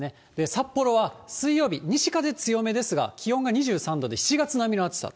札幌は水曜日、西風強めですが、気温が２３度で７月並みの暑さ。